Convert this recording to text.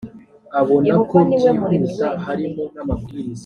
yehova ni we muremyi wenyine